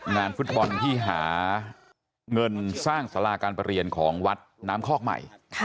งานฟุตบอลที่หาเงินสร้างสาราการประเรียนของวัดน้ำคอกใหม่